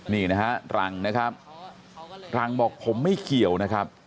นี่นะฮะรังนะครับรังบอกผมไม่เกี่ยวนะครับ